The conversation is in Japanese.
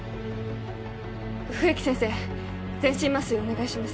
冬木先生全身麻酔をお願いします